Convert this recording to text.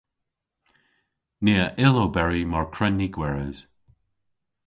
Ni a yll oberi mar kwren ni gweres.